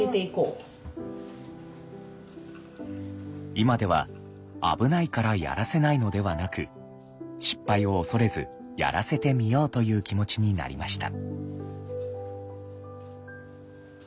今では危ないからやらせないのではなく失敗を恐れずやらせてみようという気持ちになりました。